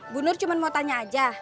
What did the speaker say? bu nur cuma mau tanya aja